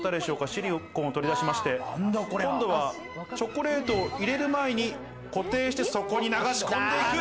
シリコンを取り出しまして、今度はチョコレートを入れる前に固定して、そこに流し込んでいく。